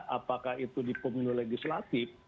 apakah itu di pemilu legislatif